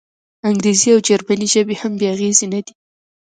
انګریزي او جرمني ژبې هم بې اغېزې نه دي.